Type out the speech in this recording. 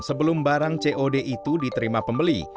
sebelum barang cod itu diterima pembeli